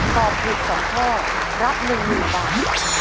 ตอบถูกสามข้อรับ๑นิวบาท